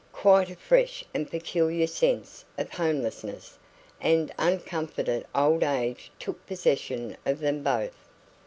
Quite a fresh and peculiar sense of homelessness and uncomforted old age took possession of them both.